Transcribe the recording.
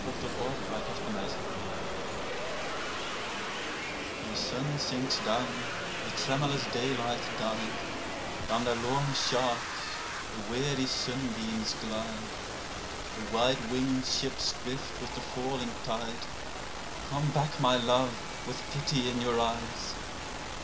69 PLAINTE ETERNELLE THE sun sinks down, the tremulous daylight dies. (Down their long shafts the weary sunbeams glide.) The white winged ships drift with the falling tide, Come back, my love, with pity in your eyes